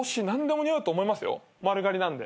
丸刈りなんで。